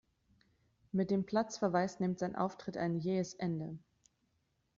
Mit dem Platzverweis nimmt sein Auftritt ein jähes Ende.